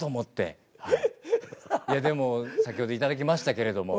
でも先ほど頂きましたけれども。